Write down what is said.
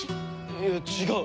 いや違う。